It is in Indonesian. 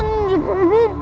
nih di bumi